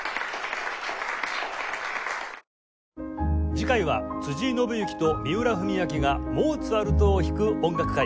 次回は辻井伸行と三浦文彰がモーツァルトを弾く音楽会